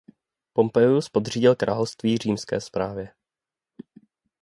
Pompeius podřídil království římské správě.